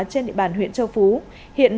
trên địa bàn huyện châu phú hiện